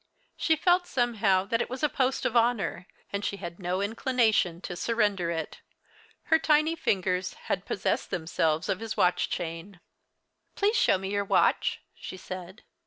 She felt somehow that it was a post of honor, and she had no inclination to surrender it. Her tiny fingers had possessed themselves of his watch chain. "Please show me your watch," she said.